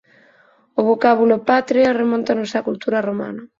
O vocábulo "patria" remóntanos á cultura romana.